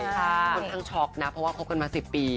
ค่อนข้างช็อกนะเพราะว่าคบกันมา๑๐ปี